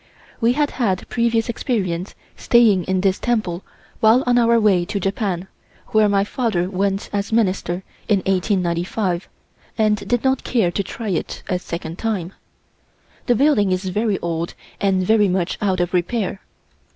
We had had previous experience staying in this temple while on our way to Japan, where my father went as Minister in 1895, and did not care to try it a second time. The building is very old and very much out of repair.